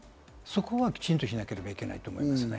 そこはきちんとしなければいけないと思いますね。